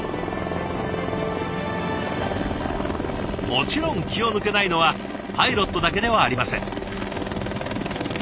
もちろん気を抜けないのはパイロットだけではありません。